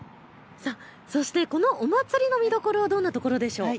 そして、このお祭りの見どころはどんなところですか。